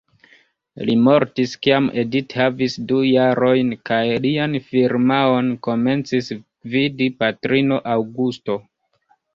Li mortis kiam Edith havis du jarojn kaj lian firmaon komencis gvidi patrino, Augusto.